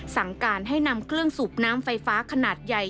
สั่งการให้นำเครื่องสูบน้ำไฟฟ้าขนาดใหญ่